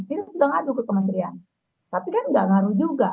ini sudah ngadu ke kementerian tapi kan nggak ngaruh juga